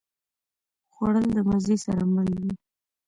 خوړل د مزې سره مل وي